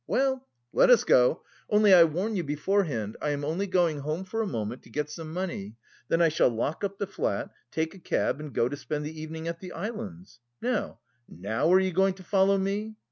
Well, let us go, only I warn you beforehand I am only going home for a moment, to get some money; then I shall lock up the flat, take a cab and go to spend the evening at the Islands. Now, now are you going to follow me?"